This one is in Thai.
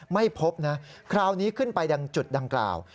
ไม่พบนะคราวนี้ขึ้นไปดังจุดดังกล่าว